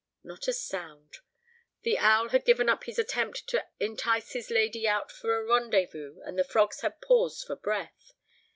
... Nor a sound. The owl had given up his attempt to entice his lady out for a rendezvous and the frogs had paused for breath.